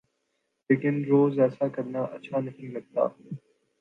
لیکن روز ایسا کرنا اچھا نہیں لگتا۔